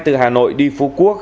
từ hà nội đi phú quốc